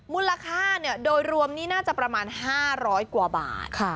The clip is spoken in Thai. มูลค่าเนี่ยโดยรวมนี้น่าจะประมาณห้าร้อยกว่าบาทค่ะ